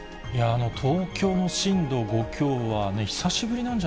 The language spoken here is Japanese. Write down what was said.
東京の震度５強はね、久しぶ